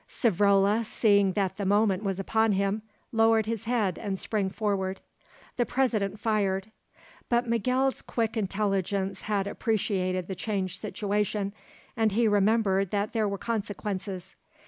Savrola, seeing that the moment was upon him, lowered his head and sprang forward. The President fired. But Miguel's quick intelligence had appreciated the changed situation, and he remembered that there were consequences.